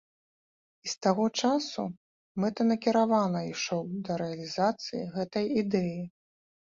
І з таго часу мэтанакіравана ішоў да рэалізацыі гэтай ідэі.